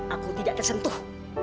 aku tidak tersentuh